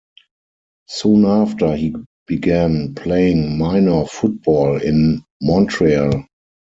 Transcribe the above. Soon after, he began playing minor football in Montreal.